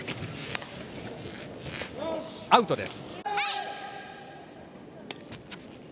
アウトです。